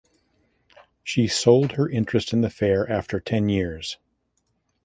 She sold her interest in the Fair after ten years.